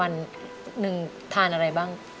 นึงทานอะไรบ้าง